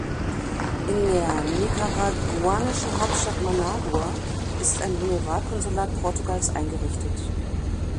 In der nicaraguanischen Hauptstadt Managua ist ein Honorarkonsulat Portugals eingerichtet.